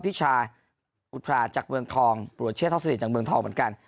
พี่ชายอุทราจากเมืองทองโปรดเชษท่องสนิทจากเมืองทองเหมือนกัน